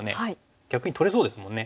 逆に取れそうですもんね。